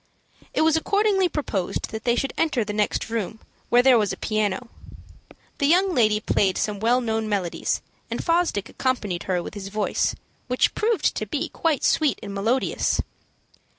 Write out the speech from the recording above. It was accordingly proposed that they should enter the next room, where there was a piano. The young lady played some well known melodies, and Fosdick accompanied her with his voice, which proved to be quite sweet and melodious.